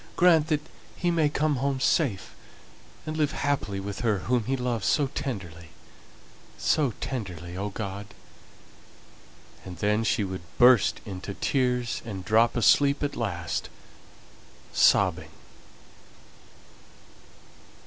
Grant that he may come home safe, and live happily with her whom he loves so tenderly so tenderly, O God." And then she would burst into tears, and drop asleep at last, sobbing.